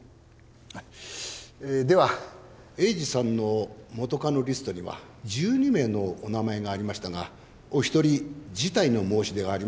えでは栄治さんの元カノリストには１２名のお名前がありましたがお一人辞退の申し出がありましたので。